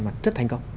mà rất thành công